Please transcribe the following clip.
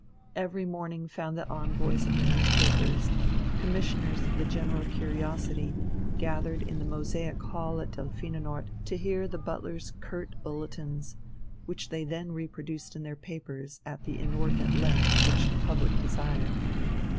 Every morning found the envoys of the newspapers, commissioners of the general curiosity, gathered in the mosaic hall at Delphinenort to hear the butler's curt bulletins, which they then reproduced in their papers at the inordinate length which the public desired.